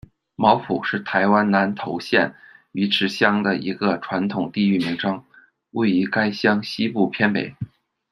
茅埔，是台湾南投县鱼池乡的一个传统地域名称，位于该乡西部偏北。